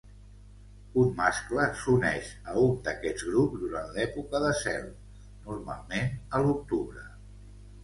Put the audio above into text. Un mascle s'uneix a un d'aquests grups durant l'època de zel, normalment a l'octubre.